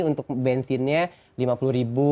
untuk bensinnya lima puluh ribu